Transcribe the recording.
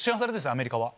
アメリカは。